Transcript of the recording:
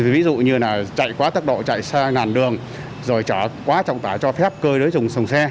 ví dụ như chạy quá tốc độ chạy xa ngàn đường rồi chở quá trọng tả cho phép cơ đối dùng sông xe